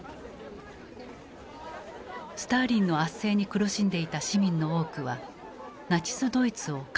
スターリンの圧政に苦しんでいた市民の多くはナチスドイツを歓迎した。